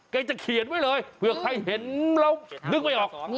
จะเขียนไว้เลยเผื่อใครเห็นแล้วนึกไม่ออก